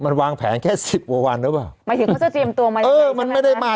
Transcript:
มันวางแผงแค่๑๐กว่าวันทั้งหมดนะ